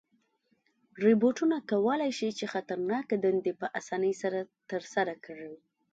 روبوټونه کولی شي چې خطرناکه دندې په آسانۍ سره ترسره کړي.